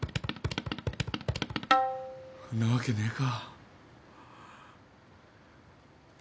んなわけねえか。